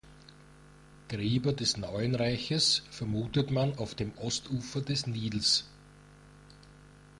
Gräber des Neuen Reiches vermutet man auf dem Ostufer des Nils.